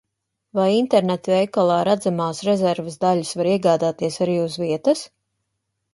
Vai internetveikalā redzamās rezerves daļas var iegādāties arī uz vietas?